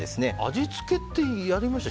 味付けってやりました？